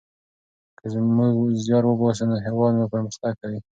که موږ زیار وباسو نو هیواد مو پرمختګ کوي.